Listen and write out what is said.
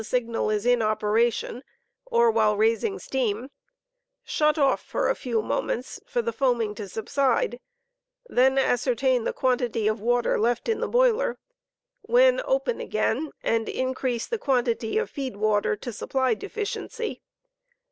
signal is in operation or while raising steam, shut off for a few moments for the foam ing to subside, then ascertain the quantity of water left in the boiler, when open again * aiid increase the quantity of feed water to supply deficiency.